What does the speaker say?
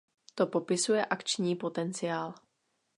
To popisuje akční potenciál.